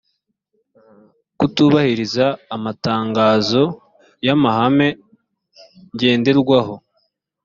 kutubahiriza amatangazo y amahame ngenderwaho